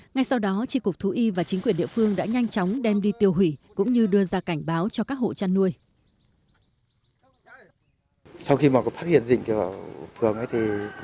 ngay sau đó tri cục thú y và chính quyền địa phương đã nhanh chóng đem đi tiêu hủy cũng như đưa ra cảnh báo cho các hộ chăn nuôi